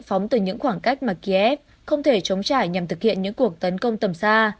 phóng từ những khoảng cách mà kiev không thể chống trả nhằm thực hiện những cuộc tấn công tầm xa